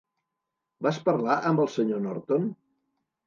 Vas parlar amb el Sr. Norton?